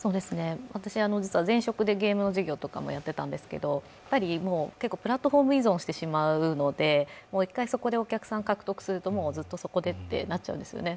私、実は前職でゲームの事業などもやっていたんですけれども、プラットフォーム依存してしまうので、１回そこでお客さんを獲得するともうずっとそこでとなっちゃうんですね。